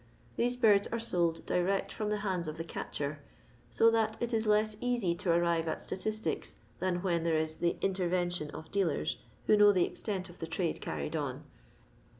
These birds are sold direct firem the hands of the catcher, so that it is leas easy te arrive at statistics than when there ia the in tervention of dealers who know the extent of the trade carried on.